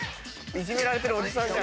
いじめられてるおじさん。